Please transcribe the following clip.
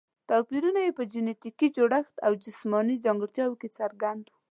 توپیرونه یې په جینټیکي جوړښت او جسماني ځانګړتیاوو کې څرګند وو.